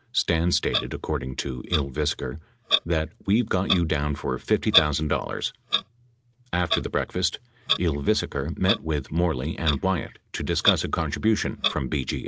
Stans stated, according to Ylvisaker, that, "we've got you down for $50,000." After the break fast Ylvisaker met with Moreley and Wyatt to discuss a contribution from BGA.